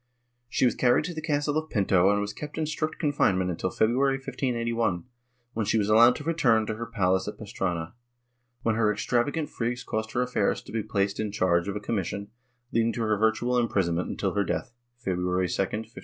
She was carried to the castle of Pinto and was kept in strict confinement until February 1581, when she was allowed to return to her palace at Pastrana, when her extravagant freaks caused her affairs to be placed in charge of a commission, leading to her virtual imprisonment until her death, February 2, 1592.